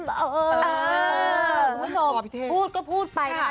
ฮือคุณผู้ชมพูดก็พูดไปนะคะใช่ว่า